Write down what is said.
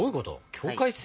境界線？